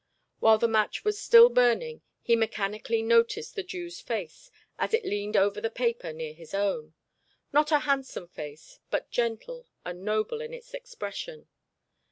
While the match was still burning he mechanically noticed the Jew's face, as it leaned over the paper near his own not a handsome face, but gentle and noble in its expression.